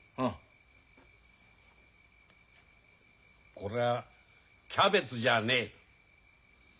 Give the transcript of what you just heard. これはキャベツじゃねえ。